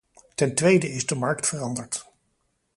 Ten tweede is de markt veranderd.